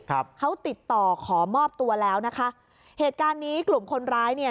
ครับเขาติดต่อขอมอบตัวแล้วนะคะเหตุการณ์นี้กลุ่มคนร้ายเนี่ย